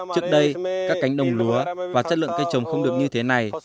trước đây các cánh đồng lúa và chất lượng cây trồng không được như thế này